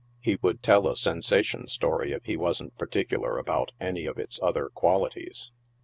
He would tell a sensation story if he wasn't particular about any of its other qualities.